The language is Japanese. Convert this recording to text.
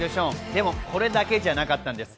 でもこれだけじゃなかったんです。